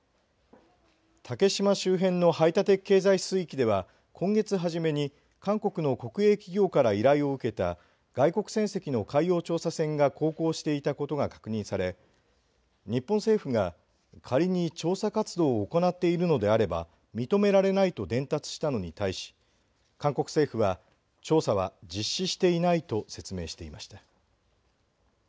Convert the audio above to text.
竹島周辺の排他的経済水域では今月初めに韓国の国営企業から依頼を受けた外国船籍の海洋調査船が航行していたことが確認され日本政府が仮に調査活動を行っているのであれば認められないと伝達したのに対し韓国政府は調査は実施していないと説明していました。